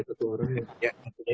satu orang yang punya